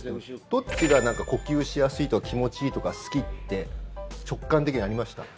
どっちが呼吸しやすいとか気持ちいいとか好きって直感的にありました？